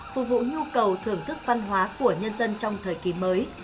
phục vụ nhu cầu thưởng thức văn hóa của nhân dân trong thời kỳ mới